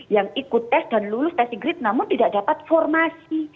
yang ikut tes dan lulus tes inggris namun tidak dapat formasi